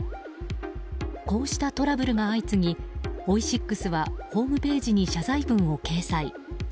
こうしたトラブルが相次ぎオイシックスはホームページに謝罪文を掲載。